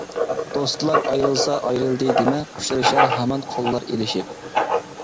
دوستلار ئايرىلسا ئايرىلدى دېمە، ئۇچرىشار ھامان قوللار ئېلىشىپ.